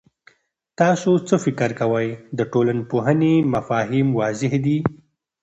تاسو څه فکر کوئ، د ټولنپوهنې مفاهیم واضح دي؟